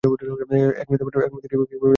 এক মৃত মানুষ কিভাবে আত্মহত্যা করতে পারে?